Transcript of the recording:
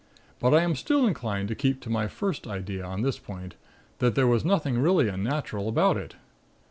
But I am still inclined to keep to my first idea on this point, that there was nothing really unnatural about it.